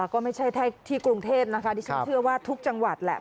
ก็ไม่ใช่แค่ที่กรุงเทพนะคะดิฉันเชื่อว่าทุกจังหวัดแหละ